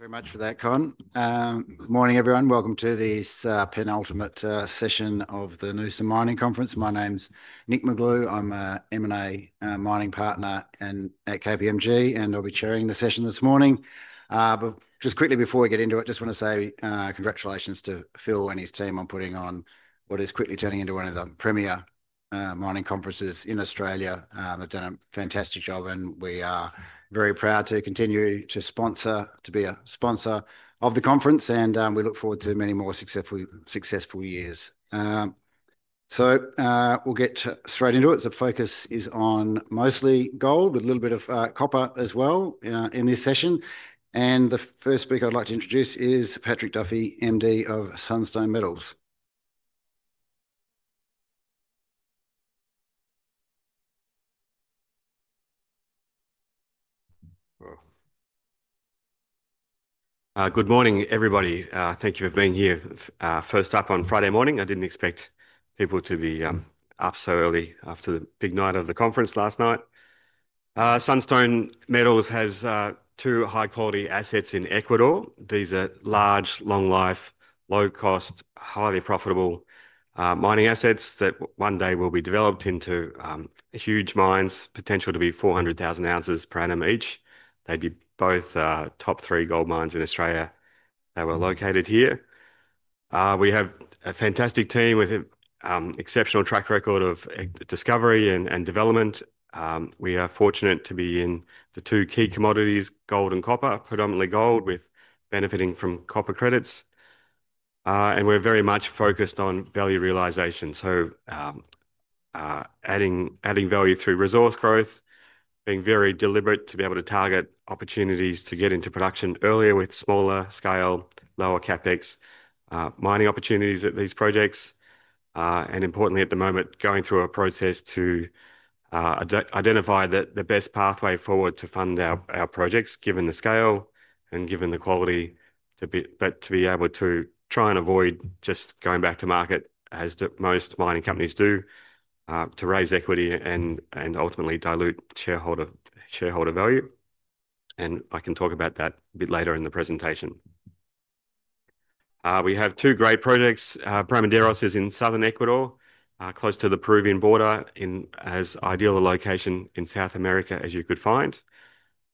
Thanks very much for that, Con. Good morning everyone. Welcome to this penultimate session of the Noosa Mining Conference. My name's Nick McGlew. I'm an M&A mining partner at KPMG, and I'll be chairing the session this morning. Just quickly before we get into it, I just want to say congratulations to Phil and his team on putting on what is quickly turning into one of the premier mining conferences in Australia. They've done a fantastic job, and we are very proud to continue to be a sponsor of the conference, and we look forward to many more successful years. We'll get straight into it. The focus is on mostly gold, with a little bit of copper as well in this session. The first speaker I'd like to introduce is Patrick Duffy, Managing Director of Sunstone Metals. Good morning everybody. Thank you for being here. First up on Friday morning, I didn't expect people to be up so early after the big night of the conference last night. Sunstone Metals has two high-quality assets in Ecuador. These are large, long-life, low-cost, highly profitable mining assets that one day will be developed into huge mines, potential to be 400,000 oz per annum each. They'd be both top three gold mines in Australia if they were located here. We have a fantastic team with an exceptional track record of discovery and development. We are fortunate to be in the two key commodities, gold and copper, predominantly gold, with benefiting from copper credits. We're very much focused on value realization, adding value through resource growth, being very deliberate to be able to target opportunities to get into production earlier with smaller scale, lower CapEx mining opportunities at these projects. Importantly, at the moment, going through a process to identify the best pathway forward to fund our projects, given the scale and given the quality, but to be able to try and avoid just going back to market, as most mining companies do, to raise equity and ultimately dilute shareholder value. I can talk about that a bit later in the presentation. We have two great projects. Bramaderos Gold-Copper Project is in southern Ecuador, close to the Peruvian border, in as ideal a location in South America as you could find.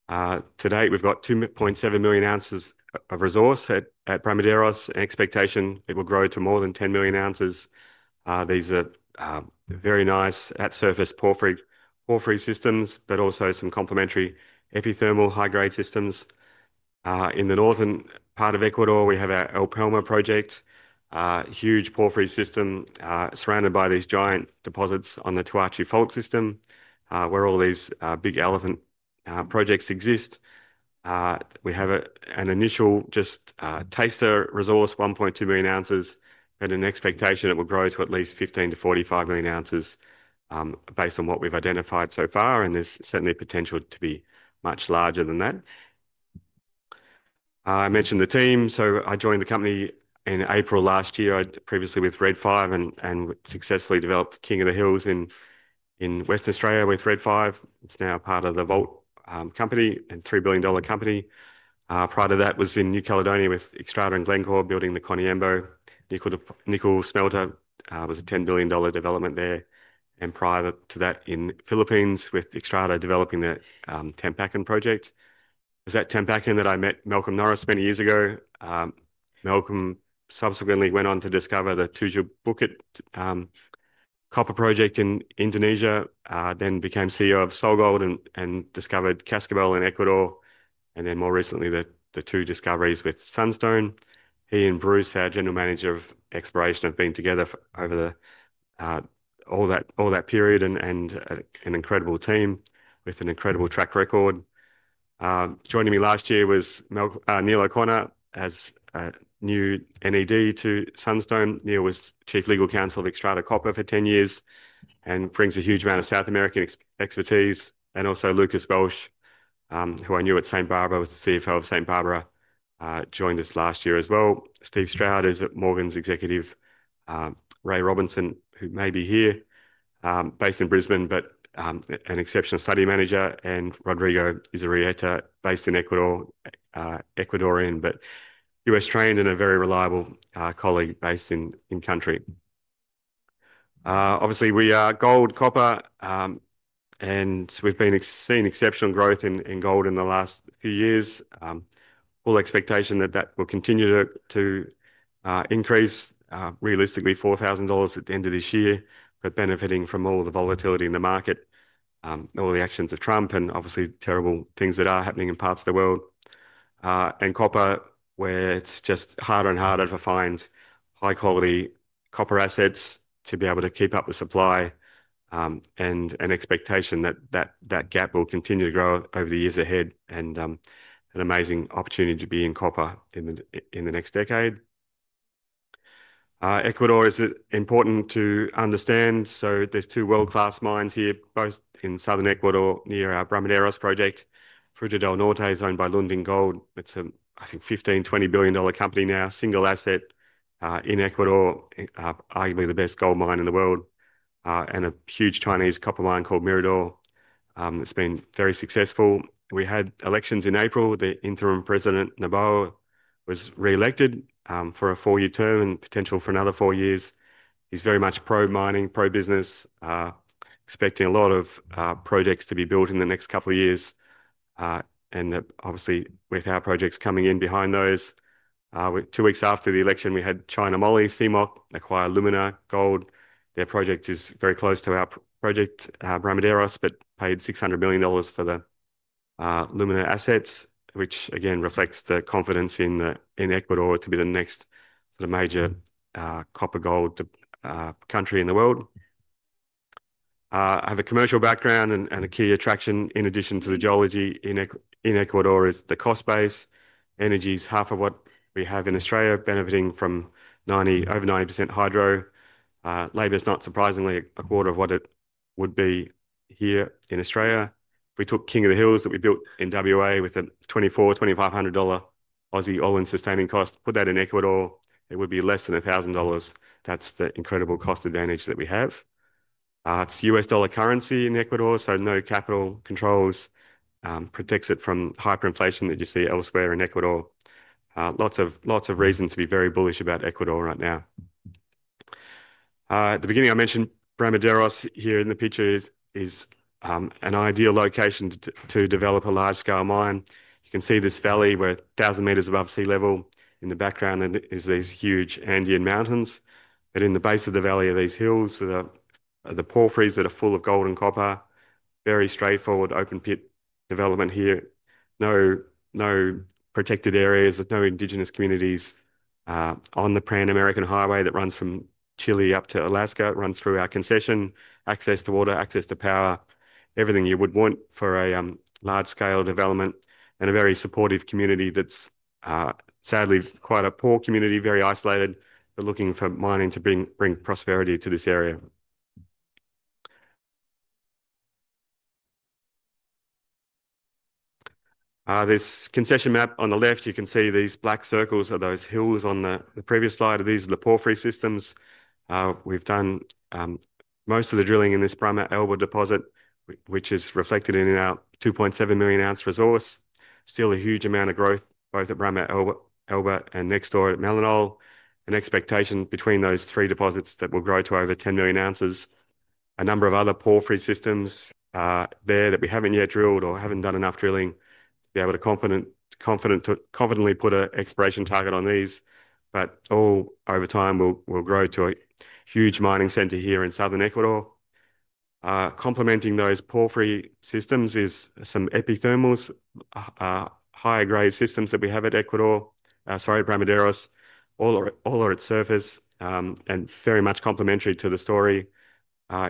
To date, we've got 2.7 million oz of resource at Bramaderos and expectation it will grow to more than 10 million oz. These are very nice at-surface porphyry systems, but also some complementary epithermal high-grade systems. In the northern part of Ecuador, we have our El Palmar Copper-Gold Project, a huge porphyry system surrounded by these giant deposits on the Toachi Fault system, where all these big elephant projects exist. We have an initial just taster resource, 1.2 million oz, and an expectation it will grow to at least 15 million oz-45 million oz, based on what we've identified so far, and there's certainly potential to be much larger than that. I mentioned the team, so I joined the company in April last year, previously with Red 5, and successfully developed King of the Hills in Western Australia with Red 5. It's now part of the Gold company and $3 billion company. Prior to that, it was in New Caledonia with Xstrata and Glencore building the Koniambo. Nickel Smelter was a $10 billion development there, and prior to that in Philippines with Xstrata developing the Tampakan project. It was at Tampakan that I met Malcolm Norris many years ago. Malcolm subsequently went on to discover the Tujuh Bukit copper project in Indonesia, then became CEO of SolGold and discovered Cascabel in Ecuador, and then more recently the two discoveries with Sunstone. He and Bruce, our General Manager of Exploration, have been together over all that period and an incredible team with an incredible track record. Joining me last year was Neil O’Connor as a new NED to Sunstone. Neil was Chief Legal Counsel of Xstrata Copper for 10 years and brings a huge amount of South American expertise. Also, Lucas Bolsch, who I knew at St Barbara, was the CFO of St Barbara, joined us last year as well. Steve Stroud is at Morgan’s executive, Ray Robinson, who may be here, based in Brisbane, but an exceptional Study Manager, and Rodrigo Izarrieta, based in Ecuador, Ecuadorian, but U.S. trained and a very reliable colleague based in country. Obviously, we are gold, copper, and we’ve been seeing exceptional growth in gold in the last few years. Full expectation that that will continue to increase, realistically $4,000 at the end of this year, but benefiting from all the volatility in the market, all the actions of Trump, and obviously terrible things that are happening in parts of the world. Copper, where it’s just harder and harder to find high-quality copper assets to be able to keep up the supply, and an expectation that that gap will continue to grow over the years ahead, and an amazing opportunity to be in copper in the next decade. Ecuador is important to understand, so there’s two world-class mines here, both in southern Ecuador near our Bramaderos Gold-Copper Project, Fruta del Norte, is owned by Lundin Gold. That’s a, I think, $15 billion, $20 billion company now, single asset in Ecuador, arguably the best gold mine in the world, and a huge Chinese copper mine called Mirador. It’s been very successful. We had elections in April. The interim president, Daniel Noboa, was re-elected for a four-year term and potential for another four years. He’s very much pro-mining, pro-business, expecting a lot of projects to be built in the next couple of years, and obviously with our projects coming in behind those. Two weeks after the election, we had China Molybdenum acquire Lumina Gold. Their project is very close to our project, Bramaderos, but paid $600 million for the Lumina Gold assets, which again reflects the confidence in Ecuador to be the next major copper-gold country in the world. I have a commercial background and a key attraction in addition to the geology in Ecuador is the cost base. Energy is half of what we have in Australia, benefiting from over 90% hydro. Labor is not surprisingly a quarter of what it would be here in Australia. If we took King of the Hills that we built in WA with a $2,400, $2,500 Aussie all-in sustaining cost, put that in Ecuador, it would be less than $1,000. That's the incredible cost advantage that we have. It's US dollar currency in Ecuador, so no capital controls protect it from hyperinflation that you see elsewhere in South America. Lots of reasons to be very bullish about Ecuador right now. At the beginning, I mentioned Bramaderos here in the picture is an ideal location to develop a large-scale mine. You can see this valley where 1,000 m above sea level in the background is these huge Andean mountains, but in the base of the valley are these hills with the porphyries that are full of gold and copper. Very straightforward open pit development here. No protected areas, no indigenous communities. The Pan-American highway that runs from Chile up to Alaska runs through our concession, access to water, access to power, everything you would want for a large-scale development and a very supportive community that's sadly quite a poor community, very isolated, but looking for mining to bring prosperity to this area. This concession map on the left, you can see these black circles are those hills on the previous slide. These are the porphyry systems. We've done most of the drilling in this Limon deposit, which is reflected in our 2.7 million oz resource. Still a huge amount of growth both at Limon and next door at Melonal. An expectation between those three deposits that will grow to over 10 million oz. A number of other porphyry systems there that we haven't yet drilled or haven't done enough drilling to be able to confidently put an Exploration Target on these, but all over time we'll grow to a huge mining center here in southern Ecuador. Complementing those porphyry systems is some epithermals, higher grade systems that we have at Bramaderos, all at surface and very much complementary to the story.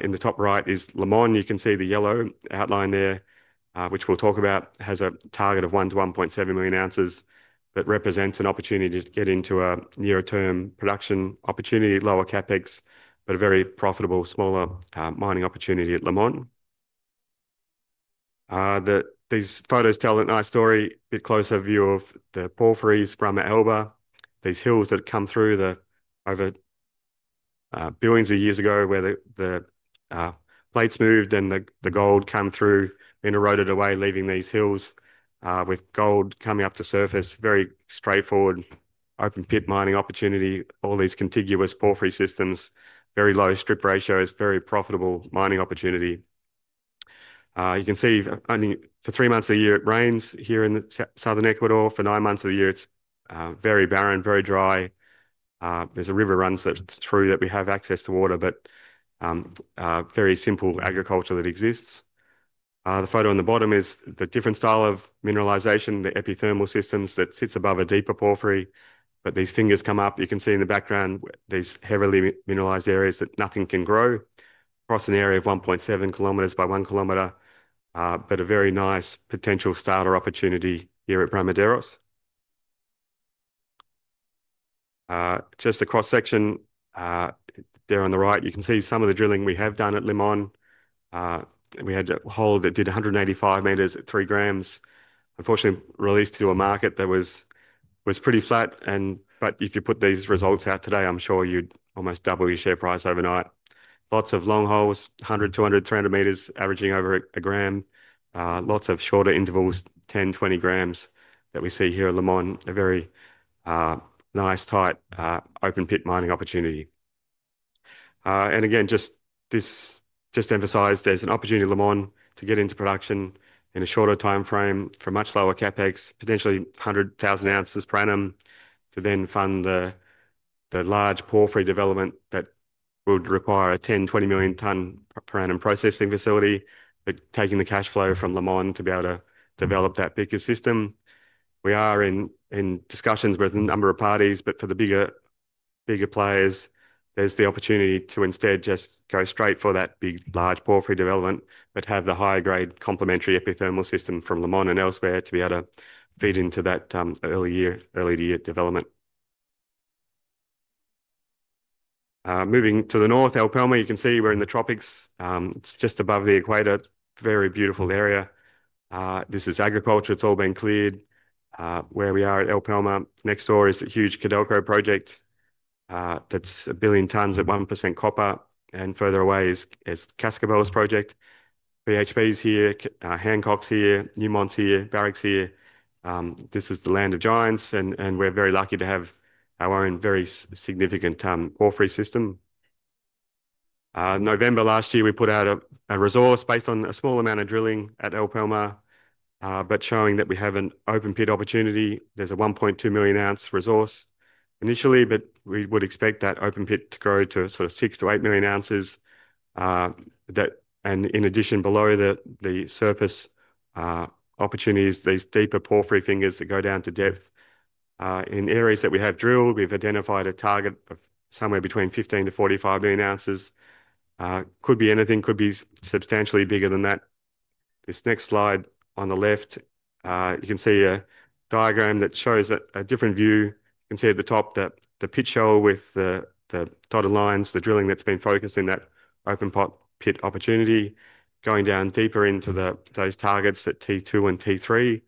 In the top right is Limon. You can see the yellow outline there, which we'll talk about, has a target of 1 million oz-1.7 million oz that represents an opportunity to get into a near-term production opportunity, lower CapEx, but a very profitable smaller mining opportunity at Limon. These photos tell a nice story, a bit closer view of the porphyry's Bramaderos, these hills that come through over billions of years ago where the plates moved and the gold come through and eroded away, leaving these hills with gold coming up to surface. Very straightforward open pit mining opportunity, all these contiguous porphyry systems, very low strip ratios, very profitable mining opportunity. You can see only for three months of the year it rains here in southern Ecuador. For nine months of the year, it's very barren, very dry. There's a river run through that we have access to water, but very simple agriculture that exists. The photo on the bottom is the different style of mineralization, the epithermal systems that sit above a deeper porphyry. These fingers come up, you can see in the background these heavily mineralized areas that nothing can grow, across an area of 1.7 km by 1 km, but a very nice potential starter opportunity here at Bramaderos. Just a cross section there on the right, you can see some of the drilling we have done at Limon. We had a hole that did 185 m at 3 g. Unfortunately, released to a market that was pretty flat, but if you put these results out today, I'm sure you'd almost double your share price overnight. Lots of long holes, 100 m, 200 m, 300 m averaging over a gram. Lots of shorter intervals, 10 g, 20 g that we see here at Limon. A very nice tight open pit mining opportunity. Again, just emphasize there's an opportunity at Limon to get into production in a shorter timeframe for much lower CapEx, potentially 100,000 oz per annum, to then fund the large porphyry development that would require a 10 million ton, 20 million ton per annum processing facility, but taking the cash flow from Limon to be able to develop that bigger system. We are in discussions with a number of parties, for the bigger players, there's the opportunity to instead just go straight for that big, large porphyry development, but have the higher grade complementary epithermal system from Limon and elsewhere to be able to feed into that early year development. Moving to the north, El Palmar, you can see we're in the tropics. It's just above the equator, very beautiful area. This is agriculture, it's all been cleared. Where we are at El Palmar, next door is a huge Codelco project that's a billion tons at 1% copper, and further away is Cascabel's project. BHP's here, Hancock's here, Newmont's here, Barrick's here. This is the land of giants, and we're very lucky to have our own very significant porphyry system. November last year, we put out a resource based on a small amount of drilling at El Palmar, but showing that we have an open pit opportunity. There's a 1.2 million oz resource initially, but we would expect that open pit to grow to sort of 6 million oz-8 million oz. In addition, below the surface opportunities, these deeper porphyry fingers that go down to depth. In areas that we have drilled, we've identified a target of somewhere between 15 million oz to 45 million oz. Could be anything, could be substantially bigger than that. This next slide on the left, you can see a diagram that shows a different view. You can see at the top the pit shown with the contour lines, the drilling that's been focused in that open pit opportunity, going down deeper into those targets at T2 and T3.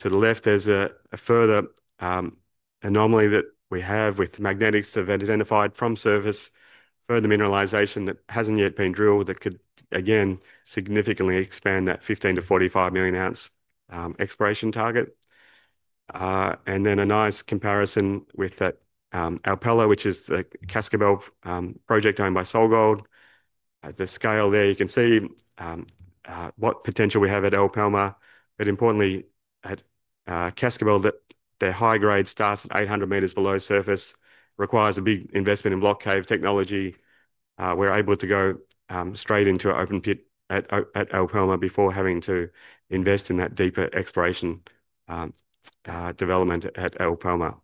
To the left, there's a further anomaly that we have with the magnetics that have been identified from surface, further mineralization that hasn't yet been drilled that could again significantly expand that 15 million oz to 45 million oz Exploration Target. Then a nice comparison with El Palmar, which is the Cascabel project owned by SolGold. The scale there, you can see what potential we have at El Palmar, but importantly at Cascabel, their high grade starts at 800 m below surface, requires a big investment in Block Cave Technology. We're able to go straight into an open pit at El Palmar before having to invest in that deeper exploration development at El Palmar.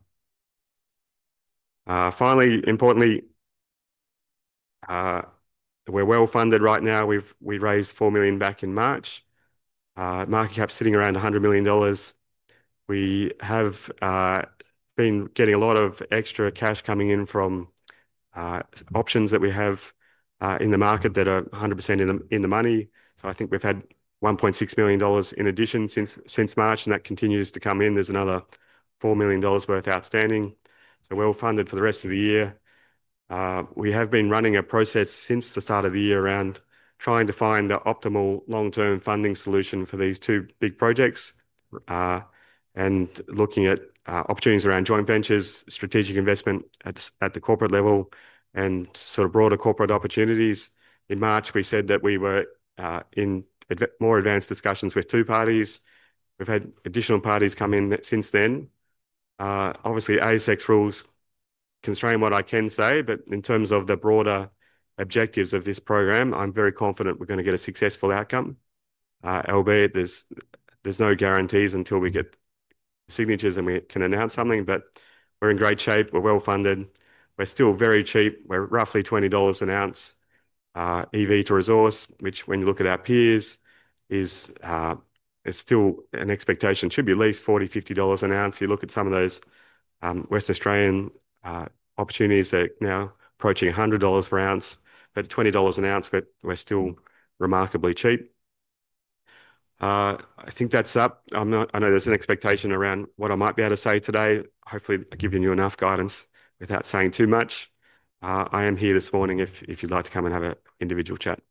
Finally, importantly, we're well funded right now. We raised $4 million back in March. Market cap's sitting around $100 million. We have been getting a lot of extra cash coming in from options that we have in the market that are 100% in the money. I think we've had $1.6 million in addition since March, and that continues to come in. There's another $4 million worth outstanding. We're well funded for the rest of the year. We have been running a process since the start of the year around trying to find the optimal long-term funding solution for these two big projects and looking at opportunities around Joint Ventures, strategic investment at the corporate level, and broader corporate opportunities. In March, we said that we were in more advanced discussions with two parties. We've had additional parties come in since then. Obviously, ASX's rules constrain what I can say, but in terms of the broader objectives of this program, I'm very confident we're going to get a successful outcome. There's no guarantees until we get the signatures and we can announce something, but we're in great shape. We're well funded. We're still very cheap. We're roughly $20 an ounce EV to resource, which when you look at our peers is still an expectation, should be at least $40, $50 an ounce. You look at some of those West Australian opportunities that are now approaching $100 per ounce. At $20 an ounce, we're still remarkably cheap. I think that's up. I know there's an expectation around what I might be able to say today. Hopefully, I've given you enough guidance without saying too much. I am here this morning if you'd like to come and have an individual chat. Thank you.